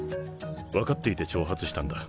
分かっていて挑発したんだ。